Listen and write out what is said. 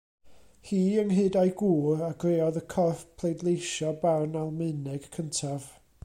Hi, ynghyd â'i gŵr, a greodd y corff pleidleisio barn Almaeneg cyntaf.